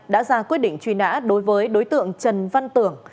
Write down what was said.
đã ra quyết định truy nã đối với đối tượng trần văn tưởng